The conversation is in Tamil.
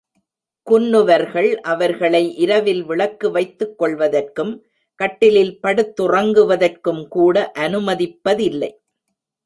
குன்னுவர்கள் அவர்களை இரவில் விளக்கு வைத்துக் கொள்வதற்கும், கட்டிலில் படுத்துறங்குவதற்கும்கூட அனுமதிப்பதில்லை.